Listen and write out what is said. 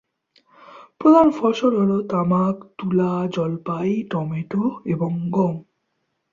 প্রধান ফসল হলো তামাক, তুলা, জলপাই, টমেটো এবং গম।